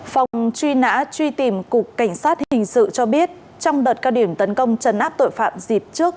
phòng truy nã truy tìm cục cảnh sát hình sự cho biết trong đợt cao điểm tấn công chấn áp tội phạm dịp trước